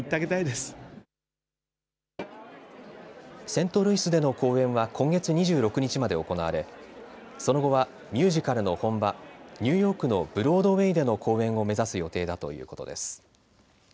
セントルイスでの公演は今月２６日まで行われ、その後はミュージカルの本場ニューヨークのブロードウェイでの公演を目指す予定だということです。